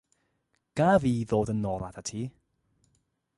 Gaf i ddod yn ôl atat ti?.